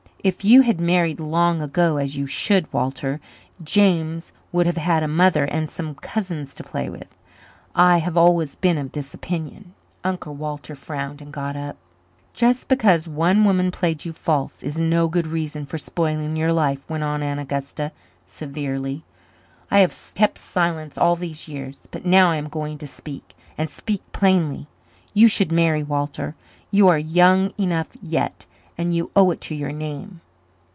If you had married long ago, as you should, Walter, James would have had a mother and some cousins to play with. I have always been of this opinion." Uncle Walter frowned and got up. "Just because one woman played you false is no good reason for spoiling your life," went on Aunt Augusta severely. "I have kept silence all these years but now I am going to speak and speak plainly. You should marry, Walter. You are young enough yet and you owe it to your name."